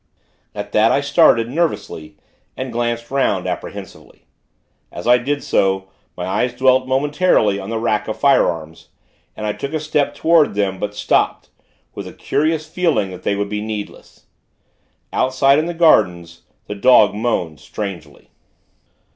At that, I started, nervously, and glanced 'round, apprehensively. As I did so, my eyes dwelt, momentarily, on the rack of firearms, and I took a step toward them; but stopped, with a curious feeling that they would be needless. Outside, in the gardens, the dog moaned, strangely.